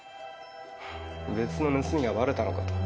別の盗みがバレたのかと。